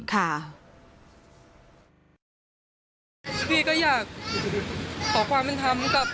ติดไงล่ะครับ